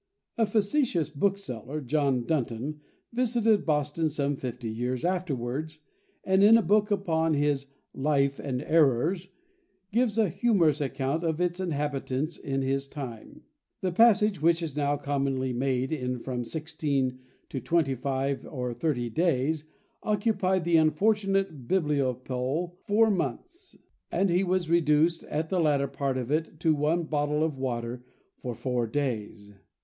A facetious bookseller, John Dunton, visited Boston some fifty years afterwards; and, in a book upon his "Life and Errors," gives a humorous account of its inhabitants in his time. The passage, which is now commonly made in from sixteen to twenty five or thirty days, occupied the unfortunate bibliopole four months; and he was reduced, at the latter part of it, to one bottle of water for four days.